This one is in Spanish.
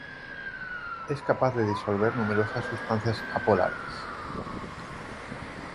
Es capaz de disolver numerosas sustancias apolares.